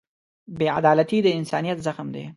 بېعدالتي د انسانیت زخم دی.